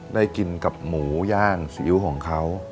ได้กินกับหมูย่างซีอิ๊วของเขา